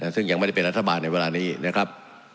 ซึ่งยังไม่ได้เป็นรัฐบาลในเวลานี้นะครับ